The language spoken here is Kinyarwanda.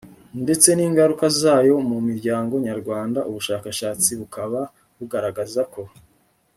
ndetse n ingaruka zayo mu muryango nyarwanda ubushakashatsi bukaba bugaragaza ko